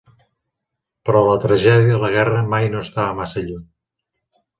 Però la tragèdia de la guerra mai no estava massa lluny.